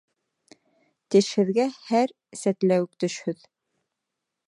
Тешһеҙгә һәр сәтләүек төшһөҙ.